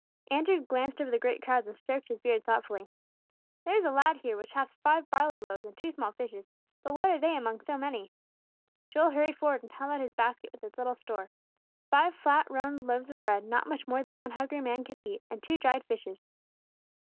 Andrew glanced over the great crowds and stroked his beard thoughtfully. "There is a lad here which hath five barley loaves and two small fishes, but what are they among so many?" Joel hurried forward and held out his basket with its little store, five flat round loaves of bread, not much more than one hungry man could eat, and two dried fishes.